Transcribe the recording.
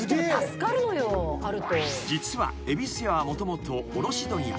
［実はゑびすやはもともと卸問屋］